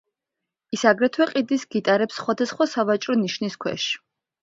ის აგრეთვე ყიდის გიტარებს სხვადასხვა სავაჭრო ნიშნის ქვეშ.